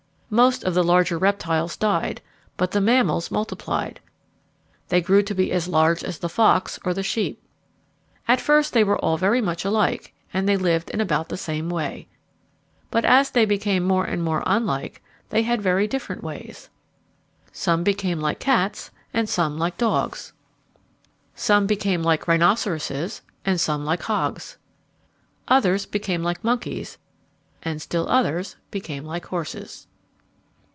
Most of the larger reptiles died, but the mammals multiplied. They grew to be as large as the fox or the sheep. At first they were all very much alike and they lived in about the same way. But as they became more and more unlike they had very different ways. Some became like cats, and some like dogs. [Illustration: An ancestor of our mammals] Some became like rhinoceroses and some like hogs. Others became like monkeys, and still others became like horses.